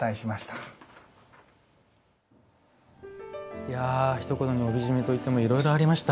いやひと言に「帯締め」と言ってもいろいろありました。